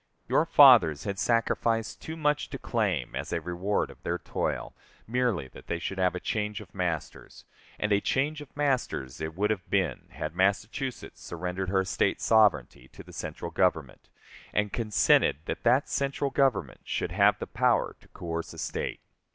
Your fathers had sacrificed too much to claim, as a reward of their toil, merely that they should have a change of masters; and a change of masters it would have been had Massachusetts surrendered her State sovereignty to the central Government, and consented that that central Government should have the power to coerce a State.